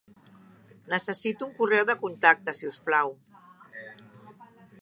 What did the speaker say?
Necessito un correu de contacte, si us plau.